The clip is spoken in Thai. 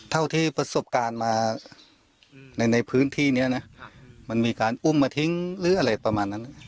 เท่าที่ประสบการณ์มาในพื้นที่นี้นะมันมีการอุ้มมาทิ้งหรืออะไรประมาณนั้น